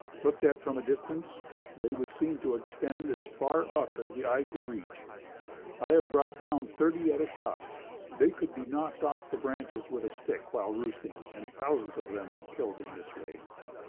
Looked at from a distance, they would seem to extend as far up as the eye could reach. I have brought down thirty at a shot. They could be knocked off the branches with a stick while roosting and thousands of them were killed in this way.